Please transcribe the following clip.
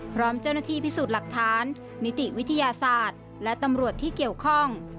พร้อมเจ้าหน้าที่พิสูจน์หลักฐานนิติวิทยาศาสตร์และตำรวจที่เกี่ยวข้อง